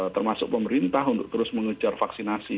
termasuk pemerintah untuk terus mengejar vaksinasi